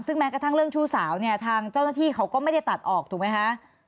ซึ่งแม้กระทั่งเรื่องชู้สาวเนี่ยทางเจ้าหน้าที่เขาก็ไม่ได้ตัดออกถูกไหมคะ